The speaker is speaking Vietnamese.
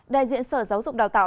đại diện sở giáo dục đào tạo